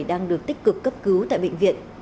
đang được tích cực cấp cứu tại bệnh viện